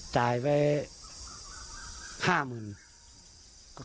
จ่ายคือเท่านั้นไหมครับ